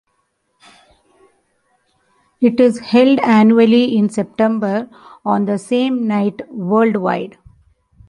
It is held annually in September on the same night worldwide.